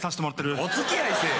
お付き合いせえ。